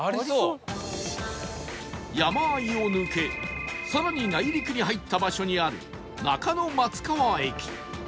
山あいを抜け更に内陸に入った場所にある中野松川駅